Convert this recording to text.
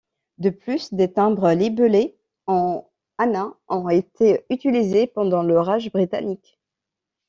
De plus, des timbres libellés en anna ont été utilisés pendant le Raj britannique.